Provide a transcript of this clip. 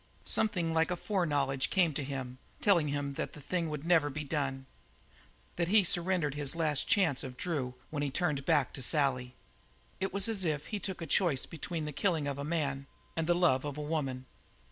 Something like a foreknowledge came to him, telling him that the thing would never be done that he had surrendered his last chance of Drew when he turned back to go to Sally. It was as if he took a choice between the killing of the man and the love of the woman.